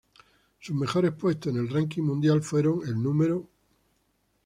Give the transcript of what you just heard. Sus mejores puestos en el ranking mundial fueron el Núm.